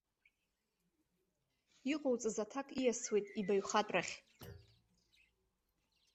Иҟоуҵаз аҭак ииасуеит ибаҩхатәрахь.